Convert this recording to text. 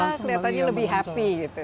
kelihatannya lebih happy